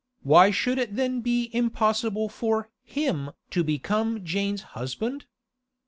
Why should it then be impossible for him to become Jane's husband?